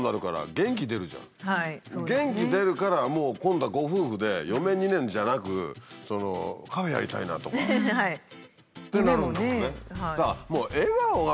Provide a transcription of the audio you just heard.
元気出るから今度はご夫婦で余命２年じゃなくカフェやりたいなとかってなるんだもんね。